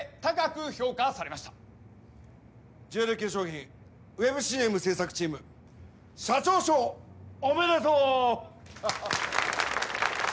・ジュエル化粧品ウェブＣＭ制作チーム社長賞おめでとう。